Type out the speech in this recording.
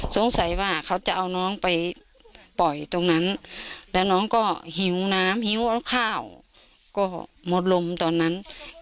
สงสัยว่าเขาจะเอาน้องไปปล่อยตรงนั้นแล้วน้องก็หิวน้ำหิวเอาข้าวก็หมดลมตอนนั้น